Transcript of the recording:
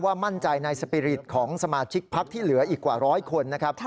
มั่นใจในสปีริตของสมาชิกพักที่เหลืออีกกว่าร้อยคนนะครับ